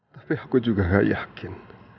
tapi aku juga gak yakin